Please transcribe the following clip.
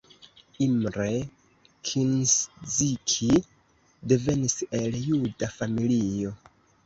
Imre Kinszki devenis el juda familio.